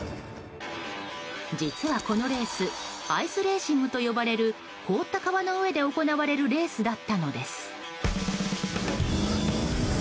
実はこのレースアイスレーシングと呼ばれる凍った川の上で行われるレースだったのです。